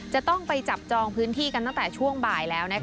จะต้องไปจับจองพื้นที่กันตั้งแต่ช่วงบ่ายแล้ว